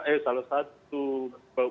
eh salah satu bupati atau wali kota di